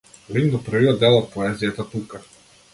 Линк до првиот дел од поезијата тука.